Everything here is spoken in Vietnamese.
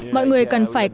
mọi người cần phải cân thiện